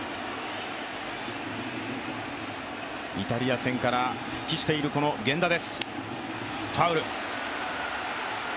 イタリア戦から復帰している源田です。